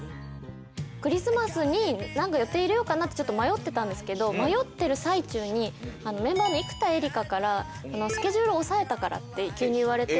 クリスマスに何か予定入れようかなってちょっと迷ってたんですけど迷ってる最中にメンバーの生田絵梨花から。って急に言われて。